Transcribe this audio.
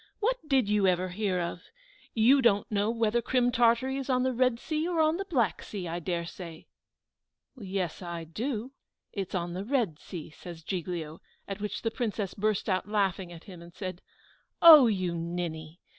What did you ever hear of? You don't know whether Crim Tartary is on the Red Sea, or on the Black Sea, I dare say." "Yes, I do; it's on the Red Sea," says Giglio; at which the Princess burst out laughing at him, and said, "Oh, you ninny!